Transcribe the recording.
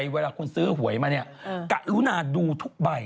เวลาคุณซื้อหวยมาเนี่ยกะรุนาดูทุกใบ